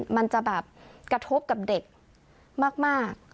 มันจะแบบกระทบกับเด็กมาก